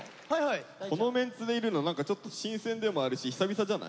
このメンツでいるのちょっと新鮮でもあるし久々じゃない？